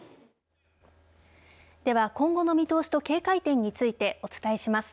では今後の見通しと警戒点についてお伝えします。